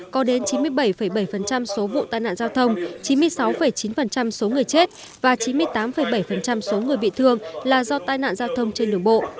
có đến chín mươi bảy bảy số vụ tai nạn giao thông chín mươi sáu chín số người chết và chín mươi tám bảy số người bị thương là do tai nạn giao thông trên đường bộ